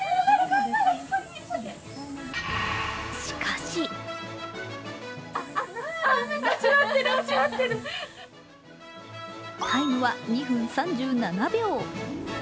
しかしタイムは２分３７秒。